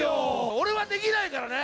俺はできないからね。